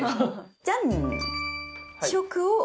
じゃん！